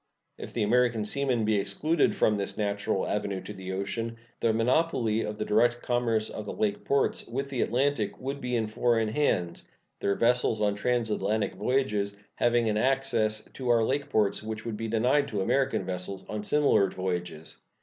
If the American seamen be excluded from this natural avenue to the ocean, the monopoly of the direct commerce of the lake ports with the Atlantic would be in foreign hands, their vessels on transatlantic voyages having an access to our lake ports which would be denied to American vessels on similar voyages.